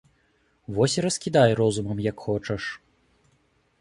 Вось і раскідай розумам як хочаш.